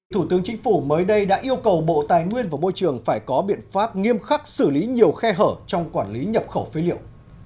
thủ tướng chính phủ mới đây đã yêu cầu bộ tài nguyên và môi trường phải có biện pháp nghiêm khắc xử lý nhiều khe hở trong quản lý nhập khẩu phế liệu